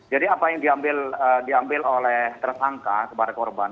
jadi apa yang diambil oleh tersangka kepada korban